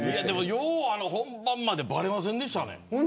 よく本番までばれませんでしたね。